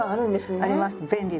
あります便利です。